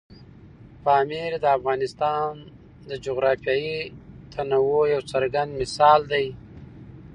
پامیر د افغانستان د جغرافیوي تنوع یو څرګند مثال دی.